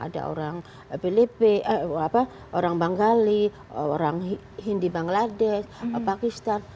ada orang bengali orang hindi bangladesh pakistan